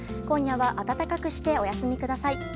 今夜は暖かくしてお休みください。